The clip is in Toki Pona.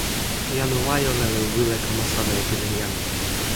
jan Wajole li wile kama sona e pilin jan.